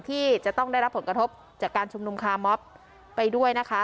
ที่จะต้องได้รับผลกระทบจากการชุมนุมคาร์มอบไปด้วยนะคะ